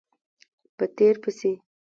په تېر پسې